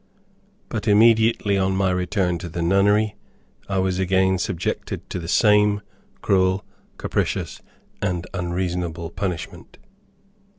But immediately on my return to the nunnery I was again subjected to the same cruel, capricious, and unreasonable punishment.